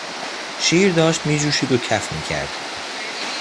شیر داشت میجوشید و کف میکرد.